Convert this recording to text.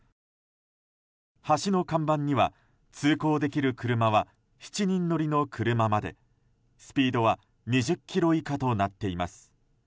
橋の看板には通行できる車は７人乗りの車までスピードは２０キロ以下となっています。